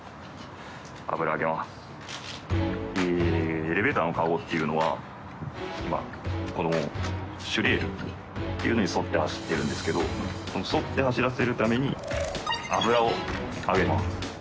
エレベーターのカゴっていうのはこの主レールっていうのに沿って走ってるんですけど沿って走らせるために油をあげます。